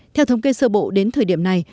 theo thống kê sơ bộ đến thời điểm này